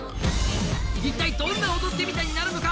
一体どんな「踊ってみた」になるのか。